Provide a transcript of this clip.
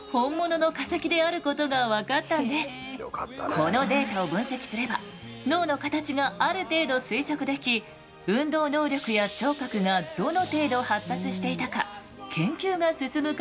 このデータを分析すれば脳の形がある程度推測でき運動能力や聴覚がどの程度発達していたか研究が進む可能性が出てきました。